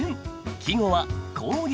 季語は「氷」。